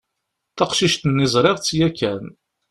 Taqcict-nni ẓriɣ-tt yakan.